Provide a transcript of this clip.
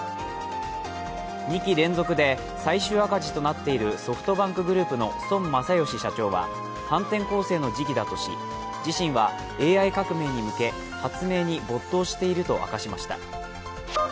２期連続で最終赤字となっているソフトバンクグループの孫正義社長は反転攻勢の時期だとし自身は、ＡＩ革命に向け発明に没頭していると明かしました。